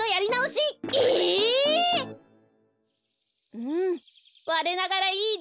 うんわれながらいいできです。